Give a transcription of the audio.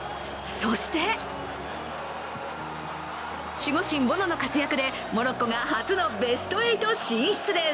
そして、守護神・ボノの活躍でモロッコが初のベスト８進出です。